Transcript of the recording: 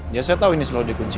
ya saya tahu ini selalu dikunci